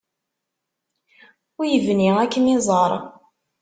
Ur yebni ad kem-iẓer.